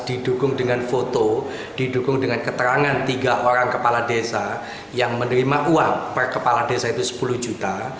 didukung dengan foto didukung dengan keterangan tiga orang kepala desa yang menerima uang per kepala desa itu sepuluh juta